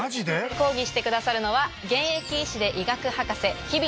講義してくださるのは現役医師で医学博士。